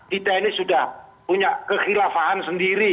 kita ini sudah punya kekhilafahan sendiri